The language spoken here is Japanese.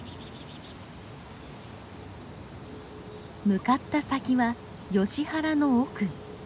向かった先はヨシ原の奥。